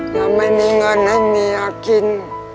ยังไม่มีเงินให้เมียกิน